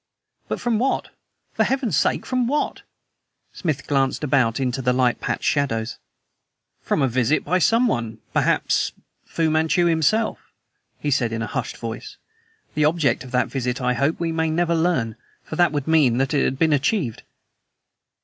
"But from what? For Heaven's sake, from what?" Smith glanced about into the light patched shadows. "From a visit by someone perhaps by Fu Manchu himself," he said in a hushed voice. "The object of that visit I hope we may never learn; for that would mean that it had been achieved."